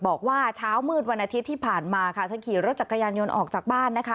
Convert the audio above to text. บอกว่าเช้ามืดวันอาทิตย์ที่ผ่านมาค่ะเธอขี่รถจักรยานยนต์ออกจากบ้านนะคะ